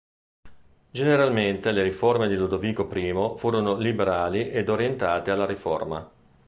Generalmente le riforme di Ludovico I furono liberali ed orientate alla riforma.